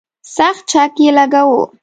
سخت چک یې لګاوه.